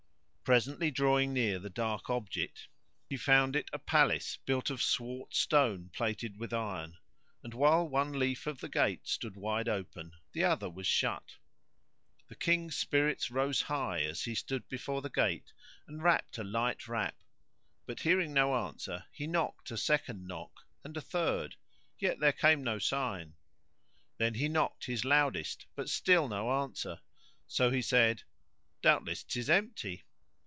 Presently drawing near the dark object he found it a palace built of swart stone plated with iron; and, while one leaf of the gate stood wide open, the other was shut, The King's spirits rose high as he stood before the gate and rapped a light rap; but hearing no answer he knocked a second knock and a third; yet there came no sign. Then he knocked his loudest but still no answer, so he said, "Doubtless 'tis empty."